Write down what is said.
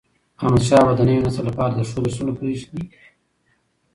احمدشاه بابا د نوي نسل لپاره د ښو درسونه پريښي دي.